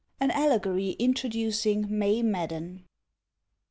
AN ALLEGORY INTRODUCING “MAE MADDEN.